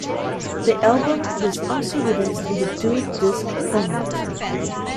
The album was also released in the DualDisc format.